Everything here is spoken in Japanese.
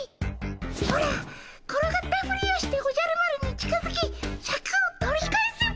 オラ転がったふりをしておじゃる丸に近づきシャクを取り返すっ